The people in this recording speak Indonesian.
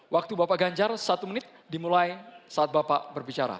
waktu bapak ganjar satu menit dimulai saat bapak berbicara